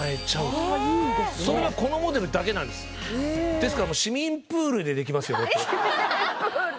ですからもう市民プールでできますよこうやって。